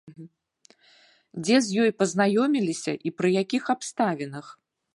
Дзе з ёй пазнаёміліся і пры якіх абставінах?